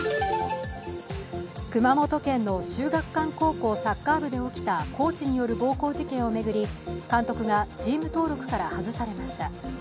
熊本県の秀岳館高校サッカー部で起きたコーチによる暴行事件を巡り監督がチーム登録から外されました。